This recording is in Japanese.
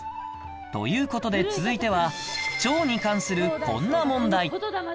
という事で続いては蝶に関するこんな問題